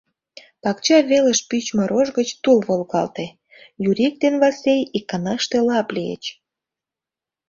Пакча велыш пӱчмӧ рож гыч тул волгалте, Юрик ден Васлий иканаште лап лийыч.